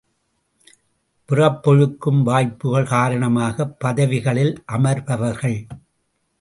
பிறப்பொழுக்கம், வாய்ப்புக்கள் காரணமாகப் பதவிகளில் அமர்பவர்கள்.